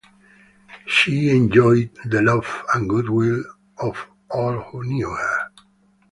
"She enjoyed...the love and good will of all who knew her".